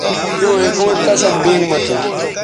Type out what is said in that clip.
تیوں اکاؤنٹ کشک بینک مہ تھو